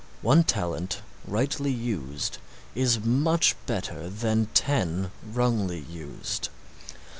One talent rightly used is much better than ten wrongly used.